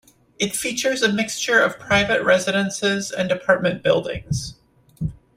It features a mixture of private residences and apartment buildings.